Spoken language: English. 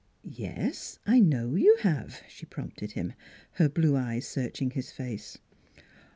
' Yes, I know you have," she prompted him, her blue eyes searching his face.